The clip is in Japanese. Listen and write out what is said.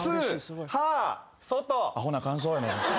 アホな感想やな。